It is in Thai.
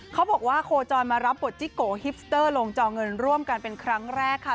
เขาบอกว่าโคจรมารับบทจิโกฮิปสเตอร์ลงจอเงินร่วมกันเป็นครั้งแรกค่ะ